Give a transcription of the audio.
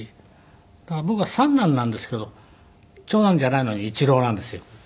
だから僕は三男なんですけど長男じゃないのに一郎なんですよ。